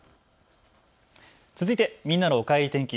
続いてみんなのおかえり天気。